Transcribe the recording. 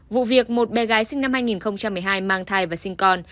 vụ việc một bé gái sinh năm hai nghìn một mươi hai mang thai và sinh con